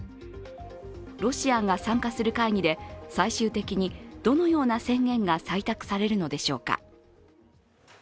ロシアが参加する会議で最終的にどのような宣言が採択されるのでしょうか。